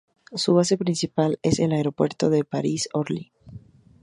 Su base principal es el Aeropuerto de París-Orly.